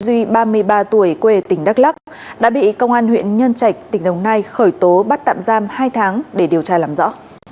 đối tượng phạm nguyễn anh duy ba mươi ba tuổi quê tỉnh đắk lắk đã bị công an huyện nhân trạch tỉnh đồng nai khởi tố bắt tạm giam hai tháng để điều tra làm rõ